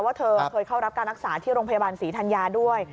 ว่าเธอเคยเข้ารับการรักษาที่โรงพยาบาลศรีธัญญาด้วย